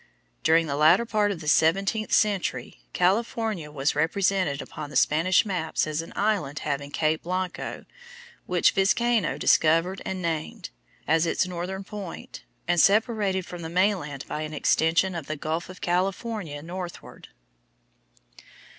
During the latter part of the seventeenth century California was represented upon the Spanish maps as an island having Cape Blanco, which Vizcaino discovered and named, as its northern point, and separated from the mainland by an extension of the Gulf of California northward.